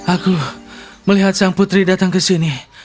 aku melihat sang putri datang ke sini